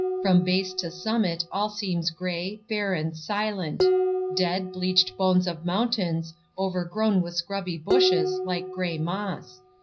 From base to summit all seems gray, barren, silent—dead, bleached bones of mountains, overgrown with scrubby bushes, like gray moss.